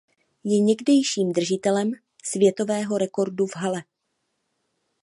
Je někdejším držitelem světového rekordu v hale.